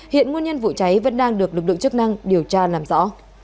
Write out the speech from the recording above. hiện nguyên nhân vụ cháy vẫn đang được lực lượng chức năng điều tra làm rõ